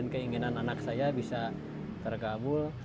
keinginan anak saya bisa terkabul